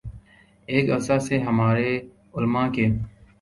ایک عرصے سے ہمارے علما کے